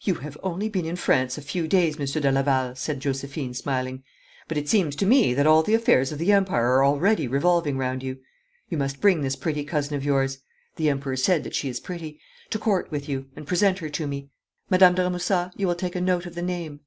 'You have only been in France a few days, Monsieur de Laval,' said Josephine, smiling, 'but it seems to me that all the affairs of the Empire are already revolving round you. You must bring this pretty cousin of yours the Emperor said that she is pretty to Court with you, and present her to me. Madame de Remusat, you will take a note of the name.'